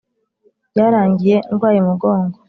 byarangiye ndwaye umugongo